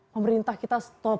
pemerintah kita stop